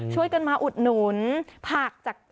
ช่วยกันมาอุดหนุนผักจาก